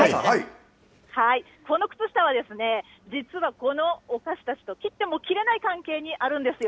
この靴下は、実はこのお菓子たちと切っても切れない関係にあるんですよ。